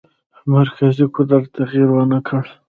مرکزي قدرت تغییر ونه کړ.